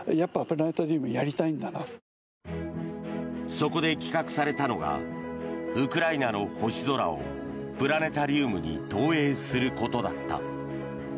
そこで企画されたのがウクライナの星空をプラネタリウムに投影することだった。